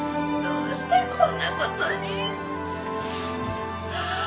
どうしてこんなことに？